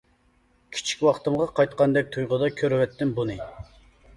كىچىك ۋاقتىمغا قايتقاندەك تۇيغۇدا كۆرۈۋەتتىم بۇنى.